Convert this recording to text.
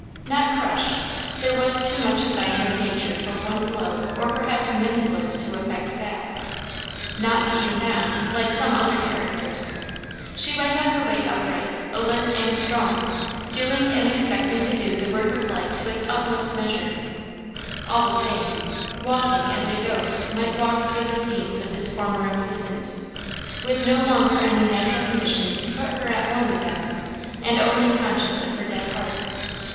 Not crushed there was too much of Diana's nature for one blow or perhaps many blows to effect that; not beaten down, like some other characters; she went on her way upright, alert, and strong, doing and expecting to do the work of life to its utmost measure; all the same, walking as a ghost might walk through the scenes of his former existence; with no longer any natural conditions to put her at one with them, and only conscious of her dead heart.